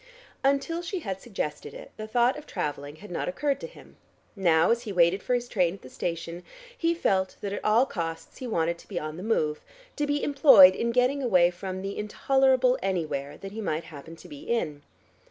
Until she had suggested it, the thought of traveling had not occurred to him; now, as he waited for his train at the station, he felt that at all costs he wanted to be on the move, to be employed in getting away from "the intolerable anywhere" that he might happen to be in.